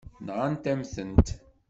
Nɣant-am-tent.